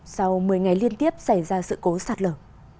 sau một mươi ngày liên tiếp xảy ra sự cố sạt lở